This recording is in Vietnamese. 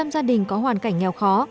một trăm linh gia đình có hoàn cảnh nghèo khó